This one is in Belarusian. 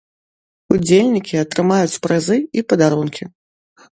Удзельнікі атрымаюць прызы і падарункі.